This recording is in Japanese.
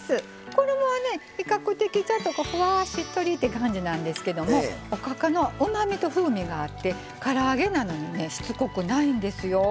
これは、比較的、ふわーっしっとりな感じなんですけどおかかのうまみと風味があってから揚げなのにしつこくないんですよ。